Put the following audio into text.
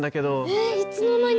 えっいつの間に？